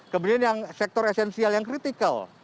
kemudian yang sektor esensial yang kritikal